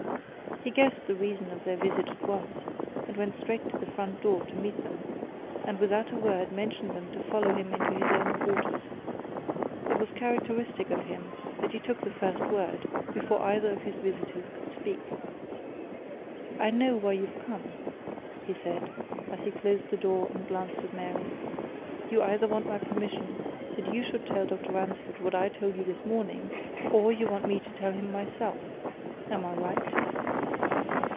He guessed the reason of their visit at once, and went straight to the front door to meet them, and without a word motioned them to follow him into his own quarters. It was characteristic of him that he took the first word before either of his visitors could speak. "I know why you've come," he said, as he closed the door and glanced at Mary. "You either want my permission that you should tell Dr. Ransford what I told you this morning, or, you want me to tell him myself. Am I right?"